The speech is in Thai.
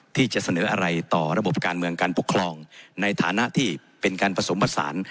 ที่จะเสนออะไรต่อระบบการเมืองการปกครองในฐานะที่เป็นการผสมผสาน